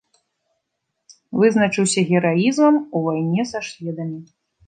Вызначыўся гераізмам у вайне са шведамі.